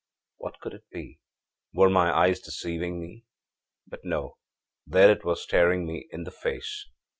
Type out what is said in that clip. What could it be? Were my eyes deceiving me? But no, there it was, staring me in the face!